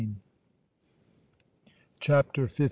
CHAPTER XV.